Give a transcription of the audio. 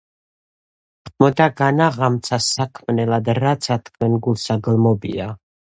ხმდა განაღამცა საქმნელად, რაცა თქვენ გულსა გლმობია: